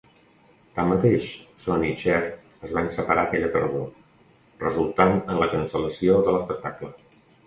Tanmateix, Sonny i Cher es van separar aquella tardor, resultant en la cancel·lació de l'espectacle.